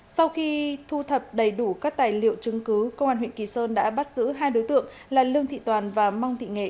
sau khi thu thập đầy đủ các tài liệu chứng cứ công an huyện kỳ sơn đã bắt giữ hai đối tượng là lương thị toàn và mong thị nghệ